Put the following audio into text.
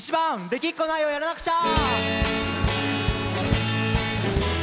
「できっこないをやらなくちゃ」。